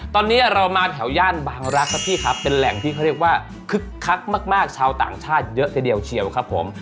ตอนนี้เรามาแถวย่านบางรักครับพี่ครับเป็นแหล่งที่เขาเรียกว่าคึกคักมากชาวต่างชาติเยอะทีเดียวเชียวครับผม